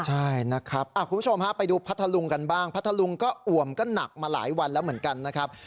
ใช่นะครับคุณผู้ชมฮะไปดูพัทธลุงกันบ้างพัทธลุงก็อ่วมก็หนักมาหลายวันแล้วเหมือนกันนะครับ